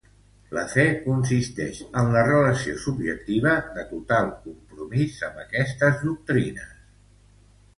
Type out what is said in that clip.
La fe consistix en la relació subjectiva de total compromís amb estes doctrines.